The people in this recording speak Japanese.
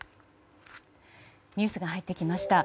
ニュースが入ってきました。